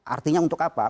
artinya untuk apa